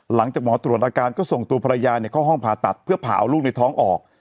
หลังจากหมอตรวจอาการก็ส่งตัวภรรยาเข้าห้องผ่าตัดเพื่อผ่าเอาลูกในท้องออก